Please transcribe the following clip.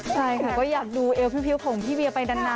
ใช่ค่ะก็อยากดูเอวพิวของพี่เวียไปนาน